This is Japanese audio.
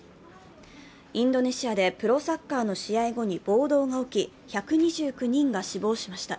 インドネシアでプロサッカーの試合後に暴動が起き１２９人が死亡しました。